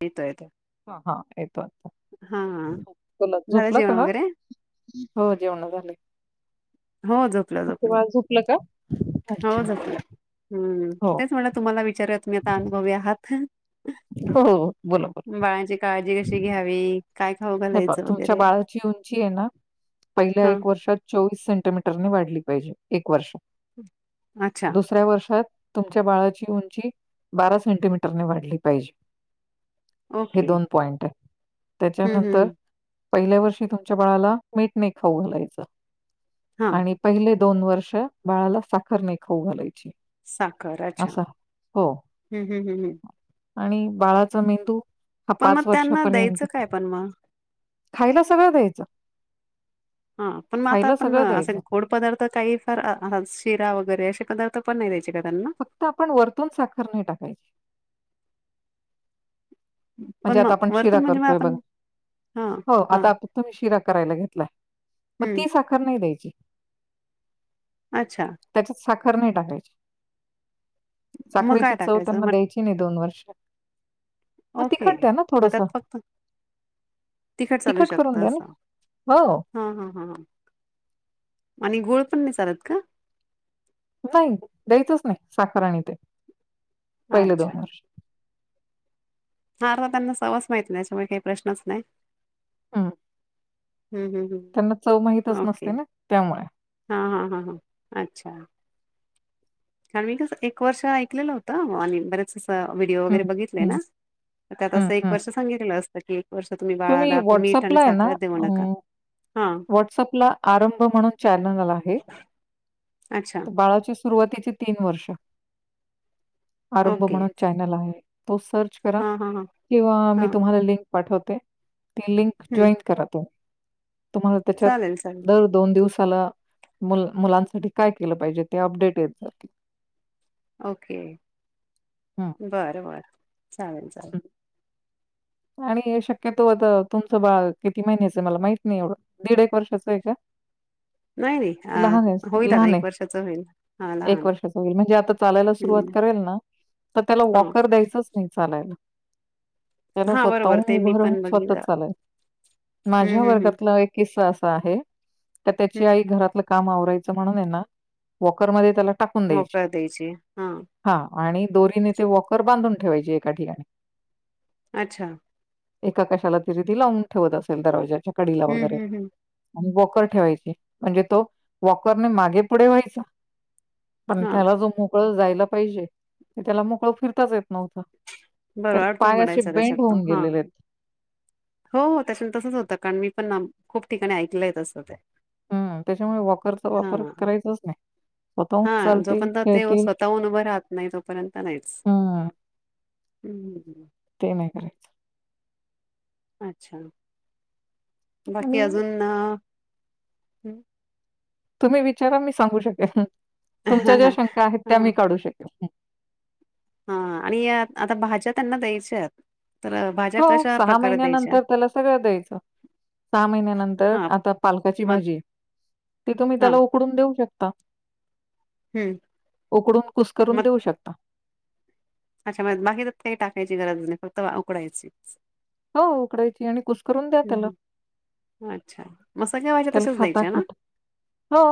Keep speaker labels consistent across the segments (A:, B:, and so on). A: येतो येतो.
B: हा येतोच
A: हा
B: तुला
A: झालं
B: झुपला
A: जेवण
B: का
A: वगैरे
B: हो जेवण झालं
A: हो झोपलं झपलं
B: का?
A: हो
B: अच्छा.
A: झपलं.
B: हो.
A: तेच मला तुम्हाला विचार प्र्ञता अुभव आहात
B: हो, हो. बोला, बोला.
A: बाळांची काळजी कशी घ्यावी. काय खाऊ
B: हे
A: घालायचं
B: तुमच्या
A: वगैरे
B: बाळाची उंची आहे ना पहिल्या
A: हा
B: एक वर्षात चोवीस सेंटीमीटर वा पाजे एक वर्ष
A: अच्छा
B: दुसऱ्या वर्षात तुमच्या बाळाची उंची बारा सेंटीमीटरने वाढली पाहिजे हे
A: ओके
B: दोन पॉइंट आहे.
A: हम्म
B: त्याच्यानंतर-
A: हम्म.
B: पहिल्या वर्षी तुमच्या बाळाला मीठ नाही खाऊ घालायचं.
A: हा
B: आणि पहिले- दोन वर्ष बाळाला साखर नाही खाऊ घालायची.
A: साखर अच्छा.
B: असा. हो
A: हम्म हम्म हम्म हम्म.
B: आणि बाळाचा मेंदू- हा
A: पण मग त्यांना द्यायचं
B: वर्षापर्यंत
A: काय? पण मग?
B: खायला सगळं द्यायचं.
A: हा. पण मग आता
B: खायला
A: आपण
B: सगळं
A: असे
B: द्यायचं.
A: गोड पदार्थ काही फार शिरा वगैरे- एकदा तर पण नाही- का त्यांना
B: फक्त आपण वरतून साखर नाही टाकायची.
A: पण
B: म्हणजे आता
A: मग
B: आपण
A: वरतून
B: शिरा
A: म्हणजे मग
B: करतोय
A: आपण
B: बघा.
A: हा
B: हो
A: हा
B: आता तुम्ही शिरा करायला घेतला, मग
A: हम्म
B: ती साखर नाही द्यायची.
A: अच्छा.
B: खर नाही टाकायची.
A: मग
B: साखरेची
A: काय
B: चव
A: टाकायचं
B: त्यांना
A: मग
B: द्यायची नाही दोन वर्ष. मग
A: ओके
B: तिखट द्या ना
A: मग त्यात
B: थोडसं.
A: फक्त, तिखट चालू शकत
B: करून द्या ना.
A: असं.
B: हो
A: हां हां ह. आणि गूळपण नाही चालत का?
B: नाही द्यायचंच नाही साखर आणि ते. पहिलं दोन वर्ष.
A: हा [unintelligible] माहित नाही त्याच्यामुळे काही प्रश्नच नाही-
B: हम्म
A: हं, हं, हं.
B: त्यांना चव माहितच
A: ओके.
B: नसते ना? त्यामुळे.
A: हां हां हां हां अच्छा. आणि मी कस? एक वर्ष ऐकलेलं होतं आणि बरेच व्हिडिओ
B: हं,
A: वगैरे बघितले
B: हं,
A: ना? तर
B: हं,
A: त्यात एक
B: हं.
A: वर्षे सांगितले असत की वर्ष तुम्ही बाळाला मीठ आणि
B: व्हॉट्सअपला आहे ना
A: साखर देऊ
B: अ,
A: नका. हां,
B: व्हॉट्सअपला आरंभ म्हणून चॅनल आहे.
A: अच्छा.
B: तर बाळाच्या सुरुवातीची तीन वर्ष आरंभ
A: ओके.
B: म्हणून चॅनल आहे. तो सर्च करा
A: हां, हां, हां,
B: किंवा मी
A: हां.
B: तुम्हाला लिंक पाठवते. ती लिंक
A: हं.
B: जॉईंट करा तु तुम्हाला त्याच्यात
A: चालेल, चालेल.
B: दर दोन दिवस तुम्हाला मुलांसाठी काय केलं पाहिजे ते अपडेट जातील.
A: ओके
B: हं,
A: बरं बरं चालेल चालेल.
B: हं. आणि शक्यतो आता तुमचं बाळ किती महिन्याचं मला माहित नाही एवढं दीड एक वर्षाचं आहे का?
A: नाही नाही
B: लहान आहेस
A: अ होईल आता
B: लहान
A: एक
B: आहे
A: वर्षाच होईल हा
B: एक
A: लहान
B: वर्षाच होईल म्हणजे आता चालायला सुरुवात
A: हम्म
B: करेल ना तर त्याला
A: हा
B: वॉकर द्यायचच नाही चालायला. त्याला
A: हा बरोबर
B: स्वतःहून
A: ते मी
B: उभं राहून
A: पण
B: स्वतः
A: बघितलं
B: चालाय माझ्या
A: हम्म हम्म हम्म
B: वर्गातला एक किस्सा अस आहे. का त्याची
A: हम्म
B: आई घरातलं काम आवरायच म्हणून आहे ना वॉकरमध्ये त्याला टाकून द्यायची.
A: मका देयची हा
B: हां आणि दोरीने ते वॉकर बांधून ठेवायचे एका ठिकाणी.
A: अच्छा.
B: एका कशाला तरी ती लावून ठेवत असेल दरवाजाच्या कडीला
A: हम्म
B: वगैरे
A: हम्म हम्म
B: आणि वॉकर ठेवायचे म्हणजे तो वॉकरने मागे पुढे व्हायचा पण
A: हा
B: त्याला जो मो मोकळ जायला पाहिजे ते त्याला मोकळं फिरताच येत नव्हत.
A: बर आडकुन पडायचा. शकतो. हां
B: गेलेले आहेत.
A: हो तस न तसच होत कारण मी पण खूप ठिकाणी ऐकलंय तसं ते
B: हम्म त्याच्यामुळे वॉकरचा
A: हा
B: वापर करायचाच नाही स्वतःहून
A: हा
B: चालतील
A: जोपर्यंत ते
B: खेळतील
A: स्वतःहून उभं राहत नाही
B: हम्म.
A: हम्म हम्म
B: ते नाही करायचं.
A: अच्छा बाकी
B: आणि
A: अजून हम्म
B: तुम्ही विचारा मी सांगू शकेन, तुमच्या
A: ह
B: ज्या शंका आहेत त्या मी काढू शकेन.
A: हां आणि आता भाज्या त्यांना द्यायच्यात. तर भाज्या
B: हो
A: कशा
B: सहा
A: प्रकारे द्यायच्या
B: महिन्यानंतर त्याला सगळं द्यायचं सहा महिन्यानंतर
A: हा
B: आता पालकाची
A: मग
B: भाजी ती तुम्ही
A: हा
B: त्याला उकडून देऊ शक ता.
A: हम्म
B: उकडून कुसकरून
A: मग
B: देऊ शकता.
A: अच्छा म बाकीच त्यात काय टाकायची गरज नाही फक्त उकडायची.
B: हो उकडायची आणि कुसकरून द्या त्याला,
A: हम्म अच्छा मग सगळ्या भाज्या
B: त्याला
A: तशाच
B: खाता
A: द्यायच्या ना
B: खाता हो.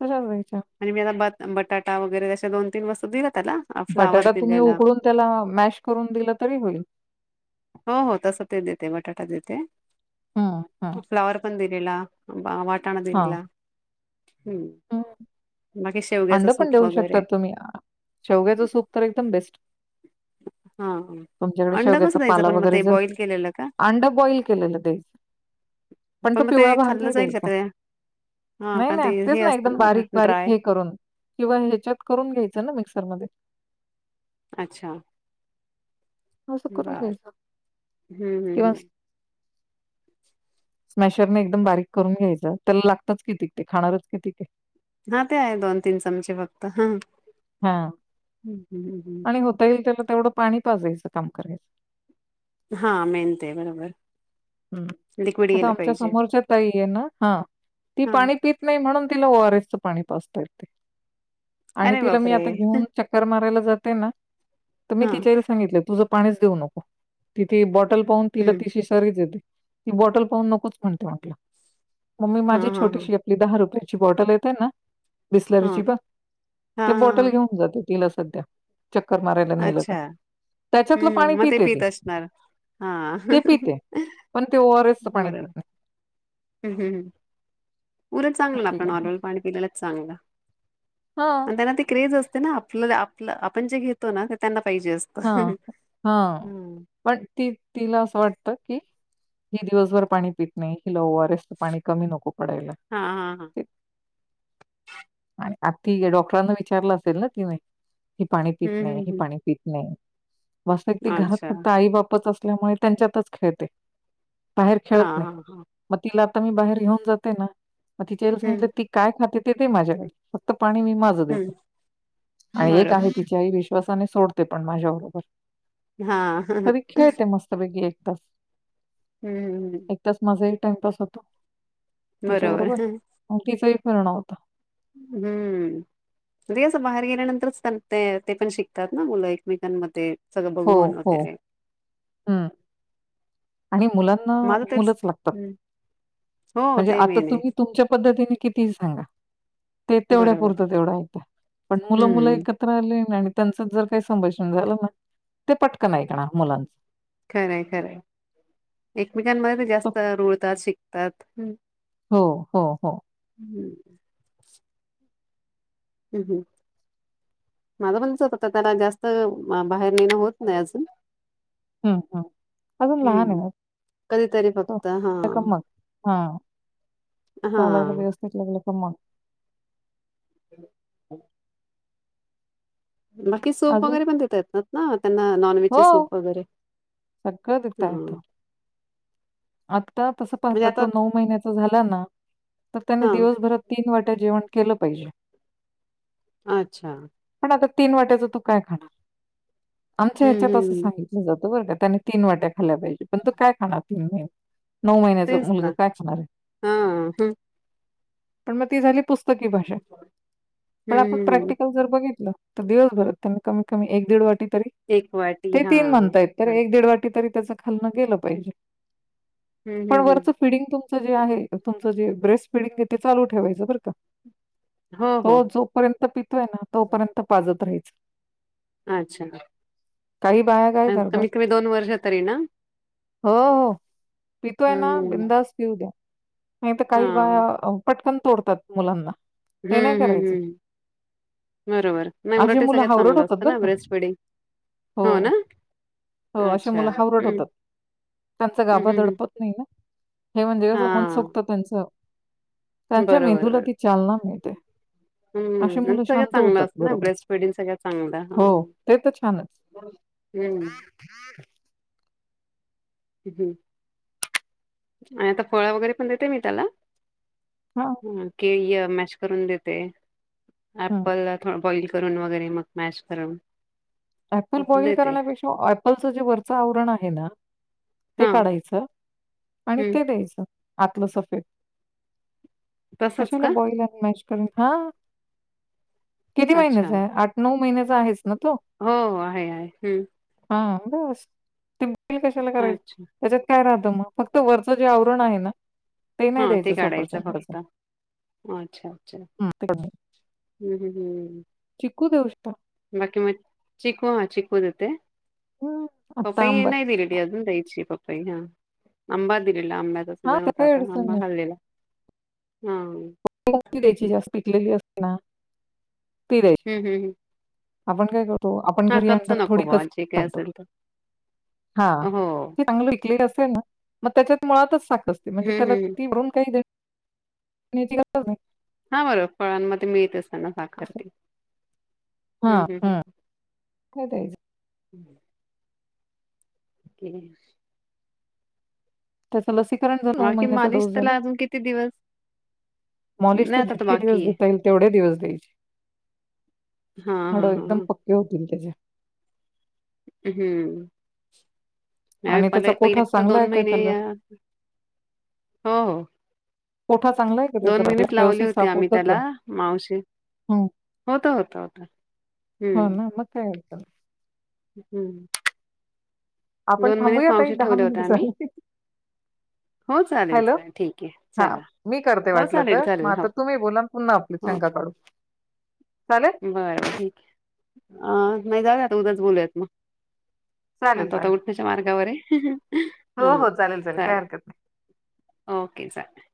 B: [unintelligible]
A: आणि मी आता भात. बटाटा वगैरे अशा दोन तीन वस्तू दिल्यात.
B: बटाटा तुम्ही उकडून त्याला मॅश करून दिलं तरी होईल.
A: हो हो तस ते देते बटाटा देते
B: हं, हं,
A: फ्लावर पण दे तेला टाणा
B: हां.
A: दिला. बाकी शेवग्याचं
B: अंड पण
A: सूप
B: देऊ
A: वगैरे
B: शकतात तुम्ही शेवग्याच सूप तर एकदम बेस्ट
A: हा
B: तुमच्याकडे
A: अंड कसं
B: शेवग्याचा
A: द्यायचं
B: पाला
A: पण मग ते
B: र
A: बॉईल केलेलं का
B: अंड बॉईल केलेल द्यायच पण तो
A: मग ते
B: पिवळा भाग
A: खाल्लं
B: नाही
A: जाईल का
B: द्यायचा
A: ते हा
B: नाही
A: का ते
B: नाही. तेच
A: हे
B: ना
A: असतं
B: एकदम
A: जरा
B: बारीक बारीक
A: ड्राय
B: हे करून किंवा ह्याच्यात करून घ्यायचं ना मिक्सरमध्ये
A: अच्छा.
B: असं करून
A: बर
B: घ्यायच
A: हम्म हम्म
B: किंवा
A: हम्म
B: स्मॅशरने एकदम बारीक करून घ्यायचं त्याला लागतच कितीक ते खाणारच कितीक आहे?
A: हां ते आहे दोन तीन चमचे फक्त हां.
B: हां. आणि होता येईल त्याला तेवढं पाणी पाजयचं काम करायचं.
A: हां मेहनत आहे बरोबर. लिक्विड
B: आता
A: गेलं
B: आमच्या
A: पाहिजे
B: समोरच्या तई आहे ना हा ती
A: हा
B: पाणी पत नाही म्हणून तिला ओरस पाणी पासता येत ते. आणि
A: अरे
B: तिला मी
A: बापरे
B: आता घेऊन चक्कर मारायला जाते ना तर मी
A: हा
B: तिच्या सांगितलं तुझ. पा देऊ नको तथ. पाून तिला
A: हम्म
B: तिशी सर्ेत ती बॉटल पाहून नकोच म्हणते म्हटलं. मम्मी
A: हा
B: माझी
A: हा हा
B: छोटशी आपली दहा रुपये ची बॉटल येते ना.
A: हा
B: बिस्लरीची बा
A: हा
B: ते
A: हा
B: बॉटल
A: हा.
B: घेऊन जाते. तला सध्या चक्कर मारायला नेलं का.
A: अच्छा
B: त्याच्यातलं पाणी
A: हम्म मग ते
B: पिते
A: पत
B: ती,
A: असणार हा.
B: ते पिते. पण ते ओआरएसच पाणी
A: बरोबर
B: पितात
A: हम्म हम् हम् उलट चांगलं
B: अशी
A: आपलं
B: गंमत.
A: नॉर्मल पाणी पिलेलंच चांगलं
B: हां,
A: आणि त्यांना ते क्रेज असते त्यांना आपलं आपण जे घेतो ना त्यांना पाहिजे असतं
B: हं हं
A: हम्म.
B: पण ती तिला असं वाटत की हि दिवसभर पाणी पीत नाही हिला ओ र स पाणी नको कमी पडायला
A: हा हा हा
B: आणि आ ती डॉक्टरांना विचारलं असेल ना तिने ही पाणी पीत
A: हम्म हम्म
B: नाही ही
A: हम्म.
B: पाणी पत नाही वास्तविक घरात
A: अच्छा
B: फक्त आई बापच अस त्यामुळे त्यांच्यातच खेळते बाहेर
A: हा
B: खेळत नाही
A: हा हा
B: मग तिला आता मी बाहेर घेऊन जाते ना मग
A: हम्म
B: ती काय खाते ते ते माझ्याकडे फक्त पाणी मी माझे देते
A: हम्म
B: आणी एक आहे
A: बरोबर
B: तिच्या आई विषयी तसे नाही सोड ते पण माझ्या बरोबर
A: हा
B: कधी खेळते मस्तपैकी एक त
A: हम्म हम्म हम्
B: टाइमपास होतो तिच्या बरोबर तिच कर न होता
A: हम्म रे असं बाहेर गेल्यानंतरच ते ते पण शिकतात ना मुलं एकमेकांमध्ये सगळं बघून वगैरे
B: हम आणि मुलांना
A: माझं तेच
B: मुलंच लागतात
A: हम्म. हो
B: म्हणजे
A: ते
B: आता
A: मेन आहे
B: तुम्ही तुमच्या पद्धतीने किती सांगा ते तेवढ्या
A: बरोबर
B: पुरत तेवढा ऐकतात पण मुलं मुलं
A: हम्म
B: एकत्र आले त्यांचं जर काही संभाषण झालं ना ते पटकन ऐकणार मुलांच
A: खरंय खरंय एकमेकांमध्ये ते
B: तो
A: जास्त रुळतात शिकतात ह्
B: हो हो हो
A: हम्म ह हम माझं पण [unintelligible] बाहेर नाही ना, होत नाही अजून.
B: ह ह अजून लहान आहे
A: हम्म
B: ना
A: कधीतरी
B: तो,
A: फक्त हा
B: उद्या कमवलं. हा. चालायला
A: हा
B: व्यवस्थित लागलं [unintelligible]
A: [inaudible] बाकी सूप
B: अजून
A: वगैरे पण देतात ना? [unintelligible] त्यांना
B: हो,
A: नॉनव्हेजचे सूप वगैरे
B: सगळं देता येतं.
A: हां.
B: आता तस
A: म्हणजे
B: पाहतात
A: आता
B: तो नऊ महिन्याचा झाला ना तर त्याने
A: हां
B: दिवसभरात तीन वाट्या जेवण केलं पाहिजे.
A: अच्छा.
B: पण आता तीन वाट्याचं तो काय खाणार? आमच्या
A: हं,
B: ह्याच्यात असं
A: हं.
B: सांगितलं जा त बरं का? त्याने तीन वाट्या खाल्ल्या पाहिजे परंतु काय खाणार पिल्लू हे? नऊ महिन्याचं
A: तेच ना.
B: मुलगं काय खाणार आहे?
A: हां. हं.
B: पण मग ती झाली पुस्तकी भाषा
A: हं,
B: पण आपण
A: हं, हं.
B: प्रॅक्टिकल जर बघितलं. तर दिवसभरात त्यांनी कमी कमी एक दीड वाटी तरी
A: एक वाटी
B: ते तीन
A: हां.
B: म्हणतायेत तर
A: बरोबर.
B: एक दीड वाटी तरी त्याचं खाणं गेलं पाहिजे.
A: हं,
B: पण
A: हं, हं.
B: वरच फिडिंग तू जे आहे तुमच जे ब्रेस्ट फिडिंग आहे, ते चालू ठेवायचं बरं का?
A: हो, हो,
B: तो
A: हो.
B: जोपर्यंत पितोय ना तोपर्यंत पाजत राहयचं.
A: अच्छा!
B: काही बाया काय करतात,
A: कमीत कमी दोन वर्ष तरी ना
B: "हो, हो, पितोय ना
A: हं.
B: बिंदास पिऊ द्या. नाही तर काही
A: हां.
B: बाया पटकन तोडतात मुलांना
A: ह
B: ते नाही
A: ह
B: करायचं.
A: हम्म! बरोबर
B: अशी
A: नाही [unintelligible]
B: मुलं
A: सगळ्यात
B: हावरट
A: चांगलं
B: होतात
A: असतं
B: बरं
A: ना
B: का.
A: ब्रेस्ट फिडिंग हो ना,
B: हो. अशी
A: अच्छा!
B: मुलं हावरट
A: ह अ अ अ
B: होत नाही ना, नाही म्हणजे कस मनसोक्त त्यांचं त्यांच्या
A: बरोबर, बरोबर.
B: मेंदूला ती चालना मिळते. अशी
A: हम्म
B: मुलं
A: सगळं
B: शांत
A: चांगलं
B: होतात
A: असतं ना
B: बरोबर.
A: ब्रेस्ट पेडिंग सगळ्या चांगलं.
B: हो,
A: हा
B: ते तर छानच.
A: हम्म, हम. आणि आता फळ वगैरे पण देते मी त्याला!
B: हां,
A: के मॅश करून देते.
B: हं.
A: एप्पल ला बॉईल करून वगैरे मग मॅश करून
B: अऍपल
A: असं
B: बॉईल
A: देते
B: करण्यापेक्षा ऍपलचं जे वरचं आवरण आहे, ना ते
A: हा
B: काढायचं आणि
A: हम्म.
B: ते द्यायचं. आतलं सफेद
A: तसंच
B: कशा ला
A: का
B: बॉयलर आणि मॅ हा! किती
A: अच्छा
B: महिन्याचा आहे आठ नऊ महिन्याचा आहेच ना तो?
A: हो आहे आहे.
B: हा बस! कशाला करायच
A: अच्छा
B: त्याच्यात काय राह मग फक्त वरचं जे आवरण आहे ना
A: हा
B: नाही
A: ते
B: द्यायचं
A: काढायचं
B: सफरचंदाचं.
A: फक्त अच्छा अच्छा
B: हं. ते कमी.
A: हम्म हम् हम्म.
B: चिकू देउ शकता.
A: बाकी मग चिकू हा चिकु देते!
B: हं, आत्ता
A: पपय
B: आंबा आहे.
A: नाय दिलेली अूजून दयची पप हा अंबा दि ला आंब्याचा
B: हां,
A: सिझन
B: त्यात काही
A: होताता
B: अडचण
A: आंबा
B: नाही.
A: खाल्लेला. हा.
B: ती द्यायची जास्त पिकलेली असते ना. ती द्यायची.
A: हम्म हम् हम्.
B: आपण काय करू तो आपण घरी आण थोडी
A: बुवा जे काही
B: कच्चा
A: असेल ते.
B: हा
A: हो.
B: चांगलं पिकलेला असेल ना मग त्याच्यात मुळातच म्हणजे
A: हं,
B: त्याला
A: हं, हं.
B: ती तीवरून काय मी तिला [inaudible]
A: हा बरं फळांमध्ये मिळतच असतना साखर
B: असं.
A: ते हम्म
B: हां,
A: हम्म
B: हं.
A: हम्.
B: [inaudible]
A: [inaudible] [inaudible]
B: त्याचं लसीकरण जो नऊ
A: बाकी
B: महिन्याचा
A: मालिश
B: डोस झाला?
A: त्याला अजून किती दिवस?
B: मॉलिश
A: नाही
B: तर
A: आता
B: जितके दिवस
A: बाकी आहे.
B: देता येईल, तेवढे दिवस द्यायची.
A: हां,
B: हाडो
A: हां, हां,
B: एकदम पक्के होतील त्याचे.
A: हम्म. नाही
B: आणि
A: पले
B: त्याचा
A: पहिले
B: कोठा
A: फक्त
B: चांगला आहे
A: दोन
B: का
A: महिने,
B: त्याला?
A: हो हो.
B: कोटा चांगला आहे का त्याचा पोट
A: महिनेच लावली
B: व्यवस्थित
A: होती
B: साफ
A: आम्ही
B: होतंय का?
A: त्याला मावशी
B: ह
A: होतं, होतं, होतं.
B: ह ना मग काय तं.
A: हम्म.
B: आपण
A: दोन महिने
B: थांबूया ताई
A: मावशी ठेवले होत्या
B: मिनिटं
A: आम्ही.
B: झाली.
A: हो चालेल
B: हॅलो?
A: चालेल ठीक आहे, चला.
B: हां. मी करते
A: हो
B: वाटलं
A: चालेल
B: तर. मग
A: चालेल हो.
B: आता तुम्ही बोला आणि पुन्हा आपली
A: हो
B: शंका काढू. चालेल?
A: बर बर ठीक आहे. अं नाही झालं ते उद्याच बोलूयात म.
B: चालेल,
A: तो आता
B: चालेल.
A: उठण्याच्या मार्गावर आहे. हम हं [unintelligible]
B: हो,
A: हं
B: हो. काही
A: चालेल,
B: हरकत
A: ओके चालेल.